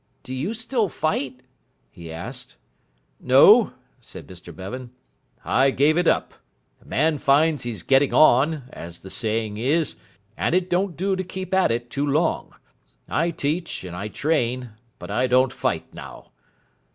"Do you still fight?" he asked. "No," said Mr Bevan, "I gave it up. A man finds he's getting on, as the saying is, and it don't do to keep at it too long. I teach and I train, but I don't fight now."